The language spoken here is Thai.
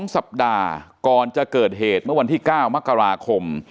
๒สัปดาห์ก่อนจะเกิดเหตุเมื่อวันที่๙มกราคม